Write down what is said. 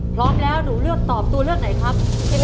พร้อมแล้วหนูเลือกตอบตัวเลือกไหนครับ